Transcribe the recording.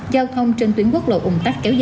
giao thông trên tuyến quốc lộ ung tắc kéo dài